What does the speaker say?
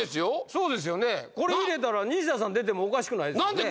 そうですよねこれ入れたら西田さん出てもおかしくないですよね